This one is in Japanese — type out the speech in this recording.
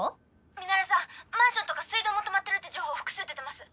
「ミナレさんマンションとか水道も止まってるって情報複数出てます」